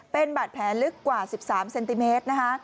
เป็นบาดแผลลึกกว่า๑๓เซนติเมตรนะคะ